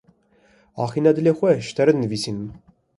Axîna dilê xwe ji te re dinivîsim.